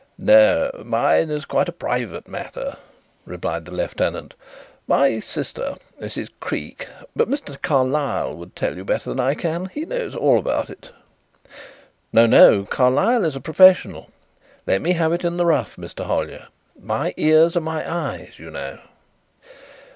"No, mine is quite a private matter," replied the lieutenant. "My sister, Mrs. Creake but Mr. Carlyle would tell you better than I can. He knows all about it." "No, no; Carlyle is a professional. Let me have it in the rough, Mr. Hollyer. My ears are my eyes, you know."